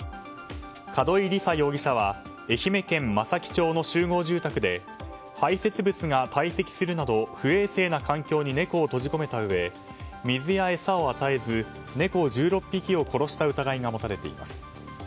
角井理沙容疑者は愛媛県松前町の集合住宅で排泄物が堆積するなど不衛生な環境に猫を閉じ込めたうえ水やえさを与えず猫１６匹を殺した疑いが持たれています。